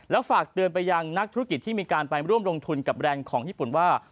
แล้วฝากเตือนไปยังนักธุรกิจที่มีการไปร่วมลงทุนกับแบรนด์ของญี่ปุ่นว่า